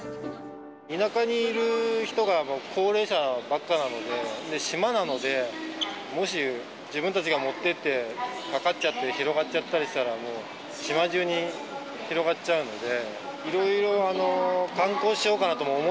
田舎にいる人が、高齢者ばっかなので、島なので、もし自分たちが持ってって、かかっちゃったり、広がっちゃったりしたら、もう、島中に広がっちゃうので。